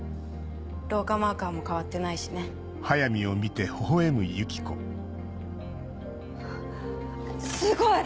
老化マーカーも変わってないしねすごい！